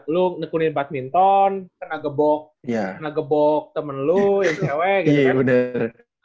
lu ngekunin badminton kena gebok temen lu yang cewek gitu kan